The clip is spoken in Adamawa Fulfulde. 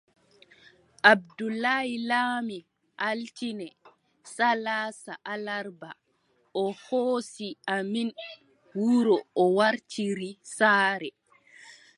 Abdoulaye laami, altine salaasa alarba, o hoosi amin wuro o wartiri saare.